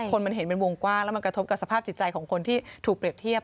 คนมันเห็นเป็นวงกว้างแล้วมันกระทบกับสภาพจิตใจของคนที่ถูกเปรียบเทียบ